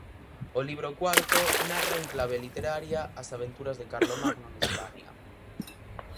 O libro cuarto narra en clave literaria as aventuras de Carlomagno en Hispania.